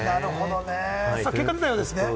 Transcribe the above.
結果が出たようですね。